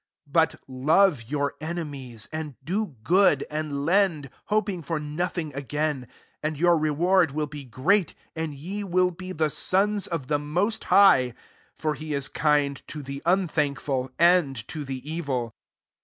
35 Qtlove your enemies; and do wd, and lend, hoping for no ing again ; and your reward ill be great, and ye will be ^ <ons of the Most High : for i is kind to the unthankful, id to the evil.